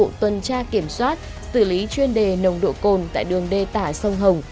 tổ chức tuần tra kiểm soát xử lý chuyên đề nồng độ cồn tại đường đê tả sông hồng